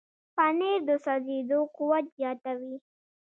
پنېر د سوځېدو قوت زیاتوي.